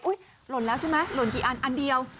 หล่นแล้วใช่ไหมหล่นกี่อันอันเดียว